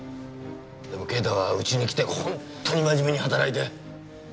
でも啓太はうちに来て本当に真面目に働いて。